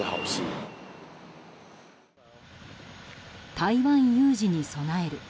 台湾有事に備える。